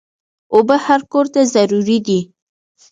اوبه هر کور ته ضروري دي.